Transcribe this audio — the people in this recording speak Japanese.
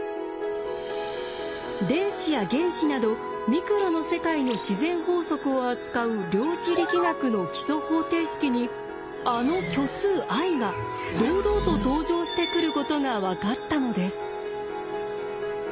電子や原子などミクロの世界の自然法則を扱う量子力学の基礎方程式にあの虚数ｉが堂々と登場してくることが分かったのです。